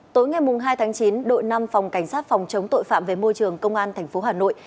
tối ngày hai tháng chín đội năm phòng cảnh sát phòng chống tội phạm về môi trường công an tp hà nội